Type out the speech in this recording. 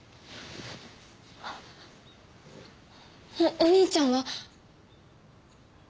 おお兄ちゃんは？